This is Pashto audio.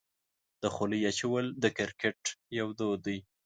د خولۍ اچول د کرکټ یو دود دی.